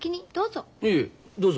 いいえどうぞ。